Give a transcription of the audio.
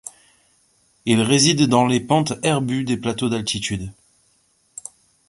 Il réside dans les pentes herbues des plateaux d'altitude.